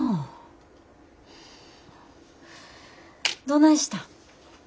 どないしたん？